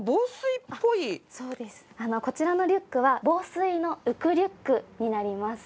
こちらのリュックは防水の浮くリュックになります。